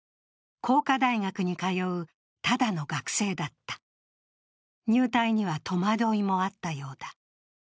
工科大学に通う、ただの学生だった入隊には、戸惑いもあったようだ。